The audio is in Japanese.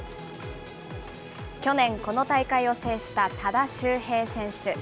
去年、この大会を制した多田修平選手。